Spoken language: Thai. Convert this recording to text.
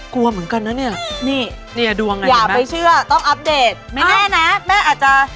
กลัวเหมือนกันนะเนี่ยอย่าไปเชื่อต้องอัพเดทแม่แน่แม่อาจจะ